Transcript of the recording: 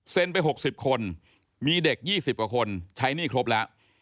ไป๖๐คนมีเด็ก๒๐กว่าคนใช้หนี้ครบแล้ว